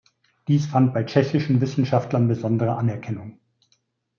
Dies fand bei tschechischen Wissenschaftlern besondere Anerkennung.